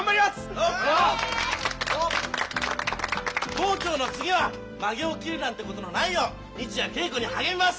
盲腸の次はまげを切るなんてことのないよう日夜稽古に励みます！